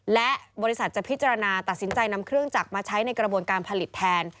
และบริษัทจะพิจารณาตัดสินใจนำเครื่องจักรมาใช้ในกระบวนการผลิตแทน